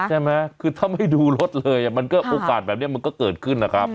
ใช่ไหมคือถ้าไม่ดูรถเลยมันก็โอกาสแบบนี้มันก็เกิดขึ้นนะครับ